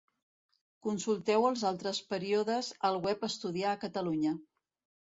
Consulteu els altres períodes al web Estudiar a Catalunya.